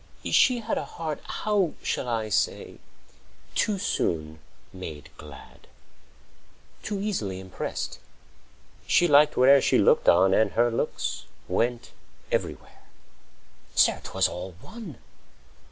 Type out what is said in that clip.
She had A heart—how shall I say?—too soon made glad, Too easily impressed; she liked whate'er She looked on, and her looks went everywhere. Sir, 'twas all one!